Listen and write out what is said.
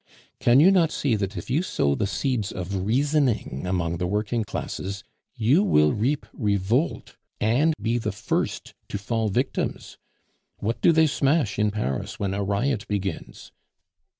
Can you not see that if you sow the seeds of reasoning among the working classes, you will reap revolt, and be the first to fall victims? What do they smash in Paris when a riot begins?"